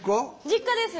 実家です。